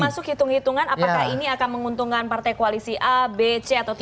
termasuk hitung hitungan apakah ini akan menguntungkan partai koalisi a b c atau tidak